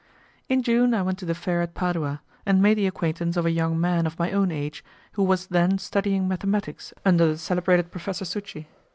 In June I went to the fair at Padua, and made the acquaintance of a young man of my own age, who was then studying mathematics under the celebrated Professor Succi.